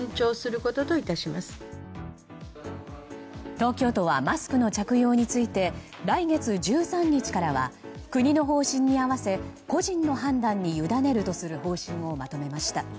東京都はマスクの着用について来月１３日からは国の方針に合わせ個人の判断に委ねるとする方針をまとめました。